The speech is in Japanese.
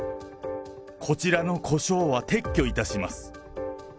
こちらのコショウは撤去いたします。